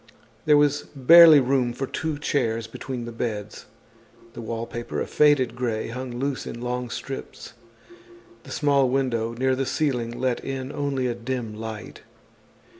There was barely room for two chairs between the beds. The wallpaper, a faded gray, hung loose in long strips. The small window near the ceiling let in only a dim light.